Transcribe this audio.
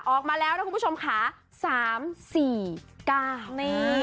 ออกมาแล้วนะคุณผู้ชมค่ะสามสี่เก้านี่